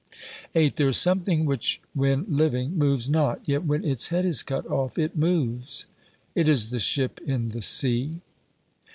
8. "There is something which when living moves not, yet when its head is cut off it moves?" "It is the ship in the sea."